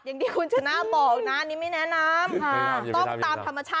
อย่างที่คุณชนะบอกนะนี้ไม่แนะนำ